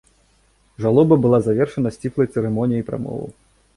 Жалоба была завершана сціплай цырымоніяй прамоваў.